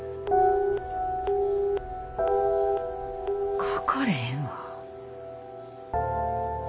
かかれへんわ。